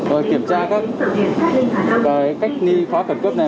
rồi kiểm tra các cách ni khóa khẩn cấp này